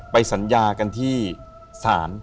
ไปสัญญากันที่สาร